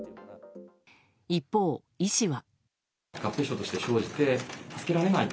一方、医師は。